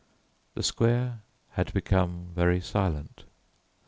The square had become very silent.